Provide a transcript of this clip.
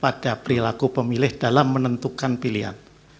pada perilaku pemilih dalam menentukan pilihan